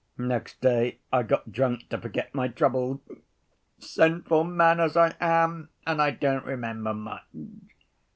Next day I got drunk to forget my troubles, sinful man as I am, and I don't remember much.